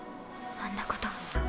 あんなこと。